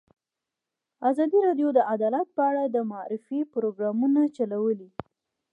ازادي راډیو د عدالت په اړه د معارفې پروګرامونه چلولي.